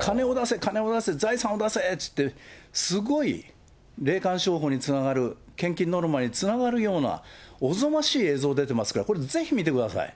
金を出せ、金を出せ、財産を出せっていって、すごい霊感商法につながる、献金ノルマにつながるようなおぞましい映像出てますから、これぜひ見てください。